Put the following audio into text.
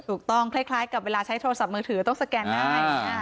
ถูกต้องคล้ายกับเวลาใช้โทรศัพท์มือถือต้องสแกนง่าย